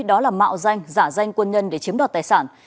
đó là mạo danh giả danh quân nhân để chiếm đoạt tài sản